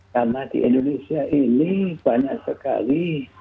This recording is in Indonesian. karena di indonesia ini banyak sekali